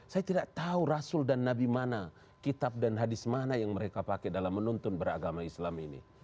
saya tidak tahu rasul dan nabi mana kitab dan hadis mana yang mereka pakai dalam menuntun beragama islam ini